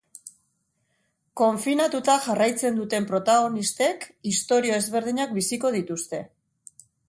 Konfinatuta jarraitzen duten protagonistek istorio ezberdinak biziko dituzte.